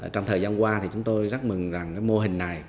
trong thời gian qua thì chúng tôi rất mừng rằng mô hình này